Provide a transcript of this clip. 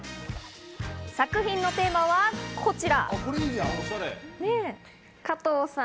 作品のテーマはこちら。